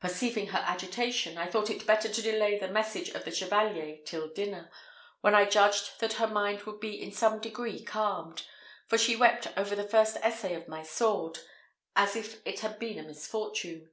Perceiving her agitation, I thought it better to delay the message of the chevalier till dinner, when I judged that her mind would be in some degree calmed, for she wept over the first essay of my sword, as if it had been a misfortune.